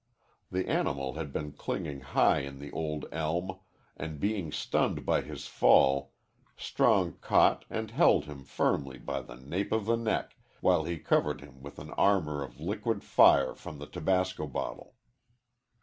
The animal had been clinging high in the old elm, and, being stunned by his fall, Strong caught and held him firmly by the nape of the neck while he covered him with an armor of liquid fire from the tabasco bottle.